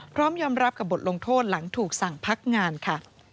พร้อมยอมรับกับบทลงโทษหลังถูกสั่งพักงานค่ะ